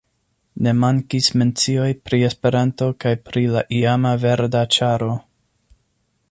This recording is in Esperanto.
Ne mankis mencioj pri Esperanto kaj pri la iama Verda Ĉaro.